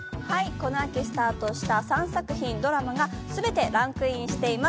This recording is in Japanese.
この秋スタートした３作品、ドラマが全てランクインしています。